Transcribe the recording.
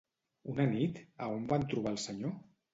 Una nit, a on van trobar el senyor?